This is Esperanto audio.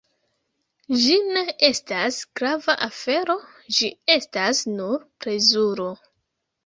Ĝi ne estas grava afero, ĝi estas nur plezuro.